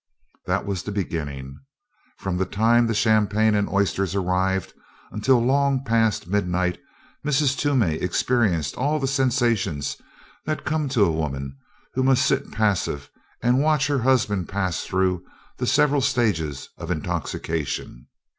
That was the beginning. From the time the champagne and oysters arrived until long past midnight Mrs. Toomey experienced all the sensations that come to the woman who must sit passive and watch her husband pass through the several stages of intoxication.